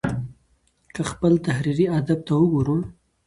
که خپل تحريري ادب ته وګورو